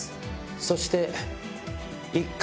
そして。